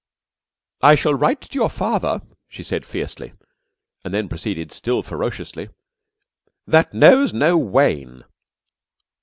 ] "I shall write to your father," she said fiercely, and then proceeded still ferociously, "'... that knows no wane.'"